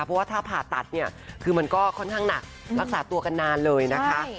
เพราะว่าถ้าผ่าตัดเนี่ยคือมันก็ค่อนข้างหนักรักษาตัวกันนานเลยนะคะ